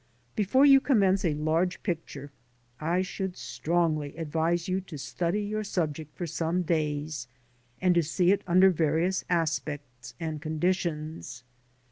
Beforeyo u commence a large picture, I should strongly advise yo u to stud y your subject for some days, and to see it under v arious aspe cts and conditions.